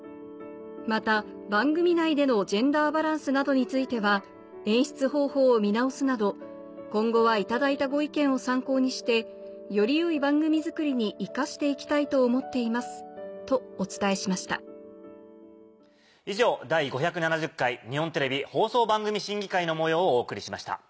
「また番組内でのジェンダーバランスなどについては演出方法を見直すなど今後は頂いたご意見を参考にしてより良い番組作りに生かしていきたいと思っています」とお伝えしました以上「第５７０回日本テレビ放送番組審議会」の模様をお送りしました。